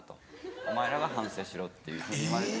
お前らが反省しろ」っていうふうに言われて。